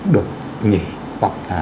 được nghỉ hoặc là